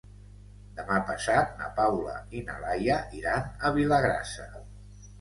Demà passat na Paula i na Laia iran a Vilagrassa.